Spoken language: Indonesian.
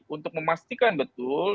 untuk memastikan betul